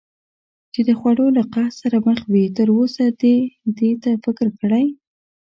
چې د خوړو له قحط سره مخ وي، تراوسه دې دې ته فکر کړی؟